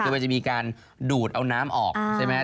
คือมันจะมีการดูดเอาน้ำออกใช่ไหม